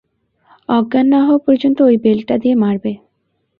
অজ্ঞান না হওয়া পর্যন্ত ওই বেল্টটা দিয়ে মারবে।